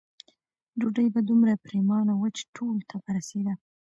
ډوډۍ به دومره پریمانه وه چې ټولو ته به رسېده.